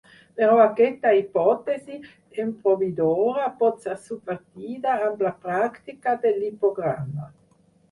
Però aquesta hipòtesi empobridora pot ser subvertida amb la pràctica del lipograma.